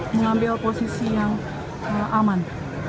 mengambil posisi yang aman